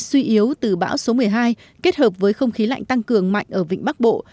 suy yếu từ bão số một mươi hai kết hợp với không khí lạnh tăng cường mạnh ở vịnh bắc bộ